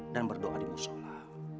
dan berdoa di musola